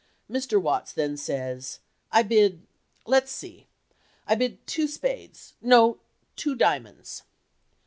Mr. Watts then says, "I bid—let's see—I bid two spades—no, two diamonds."